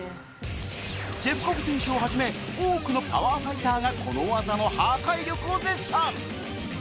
ジェフ・コブ選手をはじめ多くのパワーファイターがこの技の破壊力を絶賛